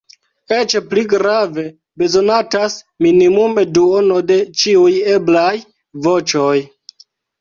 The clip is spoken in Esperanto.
Eĉ pli grave, bezonatas minimume duono de ĉiuj eblaj voĉoj.